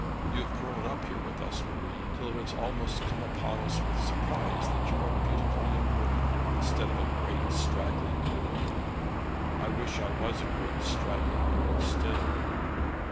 'You have grown up here with us, Marie, till it has almost come upon us with surprise that you are a beautiful young woman, instead of a great straggling girl.' 'I wish I was a great straggling girl still.'